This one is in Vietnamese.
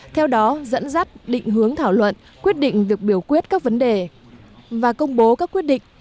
theo đó dẫn dắt định hướng thảo luận quyết định việc biểu quyết các vấn đề và công bố các quyết định